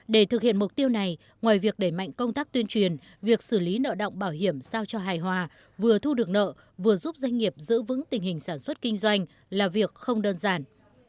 để thực hiện mục tiêu này ngoài việc đẩy mạnh công tác tuyên truyền việc xử lý nợ động bảo hiểm sao cho hài hòa vừa thu được nợ vừa giúp doanh nghiệp giữ vững tình hình sản xuất kinh doanh là việc không đơn giản